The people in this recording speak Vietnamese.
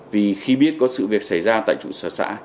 vì khi biết có sự việc xảy ra tại trụ sở xã